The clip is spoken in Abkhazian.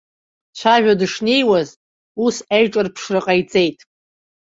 Дцәажәо дышнеиуаз, ус аиҿырԥшра ҟаиҵеит.